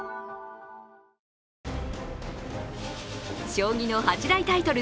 将棋の八大タイトル